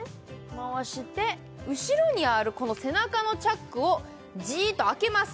回して後ろにあるこの背中のチャックをジーっと開けます